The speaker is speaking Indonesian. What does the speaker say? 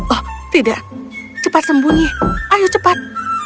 oh tidak cepat sembunyi ayo cepat